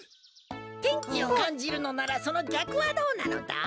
天気をかんじるのならそのぎゃくはどうなのだ？